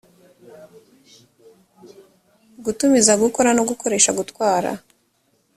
gutumiza gukora no gukoresha gutwara